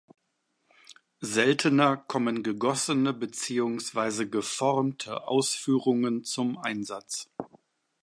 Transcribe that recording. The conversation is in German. Seltener kommen gegossene beziehungsweise geformte Ausführungen zum Einsatz.